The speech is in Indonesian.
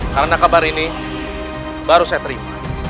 karena kabar ini baru saya terima